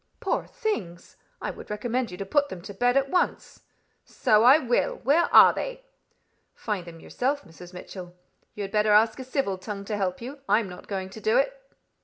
"Poor things! I would recommend you to put them to bed at once." "So I will. Where are they?" "Find them yourself, Mrs. Mitchell. You had better ask a civil tongue to help you. I'm not going to do it."